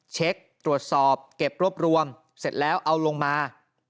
เช็คตรวจสอบเก็บรวบรวมเสร็จแล้วเอาลงมา